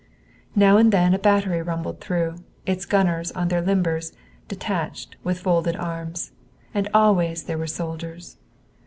Now and then a battery rumbled through, its gunners on the limbers, detached, with folded arms; and always there were soldiers.